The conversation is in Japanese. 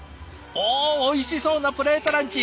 おいしそうなプレートランチ。